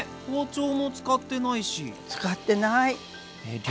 使ってない。